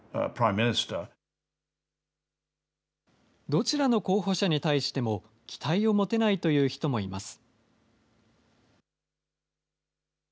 どちらの候補者に対しても期待を持てないという人もいます。